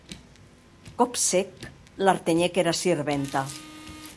Còp sec, l'artenhec era sirventa.